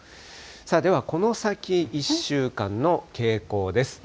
では、この先１週間の傾向です。